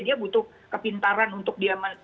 dia butuh kepintaran untuk dia